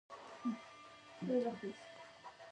محمدرسول سره په خبرو خبرو کې خوب راباندې غلبه وکړه.